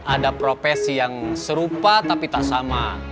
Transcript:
ada profesi yang serupa tapi tak sama